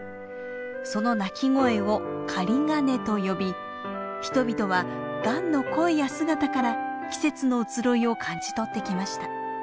その鳴き声を「雁が音」と呼び人々はガンの声や姿から季節の移ろいを感じ取ってきました。